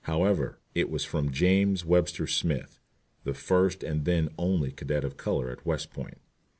However, it was from James Webster Smith, the first and then only cadet of color at West Point.